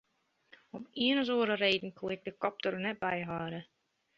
Om de ien of oare reden koe ik de kop der net by hâlde.